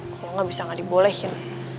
kalo gak bisa gak dibolehin